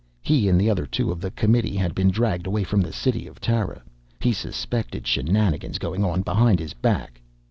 He and the other two of the committee had been dragged away from the city of Tara. He suspected shenanigans going on behind his back.